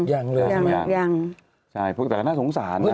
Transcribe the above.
แต่น่าสงสารนะ